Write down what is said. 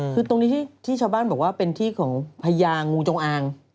คือตรงนี้ที่ชาวบ้านบอกว่าเป็นที่ของพญางูจงอาง